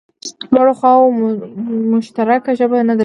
دواړو خواوو مشترکه ژبه نه درلوده